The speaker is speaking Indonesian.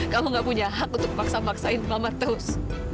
kamu nggak punya hak untuk maksa maksain mama terus